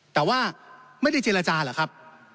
แต่ว่าไม่ได้เจรจาเหรอครับ